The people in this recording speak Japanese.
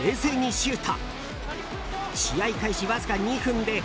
シュート！